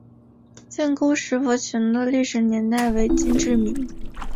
建沟石佛群的历史年代为金至明。